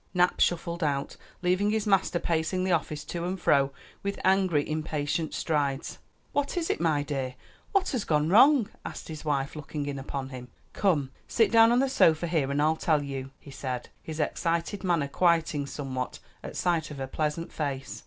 Nap shuffled out, leaving his master pacing the office to and fro with angry, impatient strides. "What is it, my dear? what has gone wrong?" asked his wife, looking in upon him. "Come, sit down on the sofa here and I'll tell you," he said, his excited manner quieting somewhat at sight of her pleasant face.